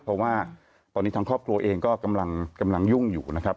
เพราะว่าตอนนี้ทางครอบครัวเองก็กำลังยุ่งอยู่นะครับ